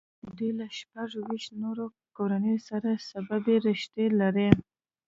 دوی له شپږ ویشت نورو کورنیو سره سببي رشتې لري.